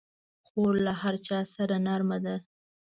خور له هر چا سره نرمه ده.